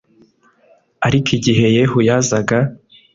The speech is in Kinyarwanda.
Ariko igihe Yehu yazaga